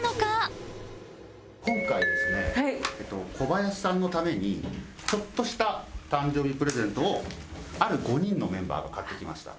今回ですね小林さんのためにちょっとした誕生日プレゼントをある５人のメンバーが買ってきました。